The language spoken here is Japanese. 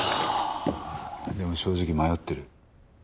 でも正直迷ってる。